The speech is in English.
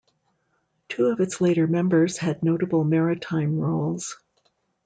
Two of its later members had notable maritime roles.